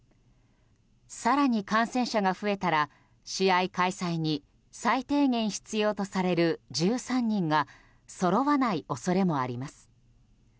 更に感染者が増えたら試合開催に最低限必要とされる１３人がそろわない恐れもあります。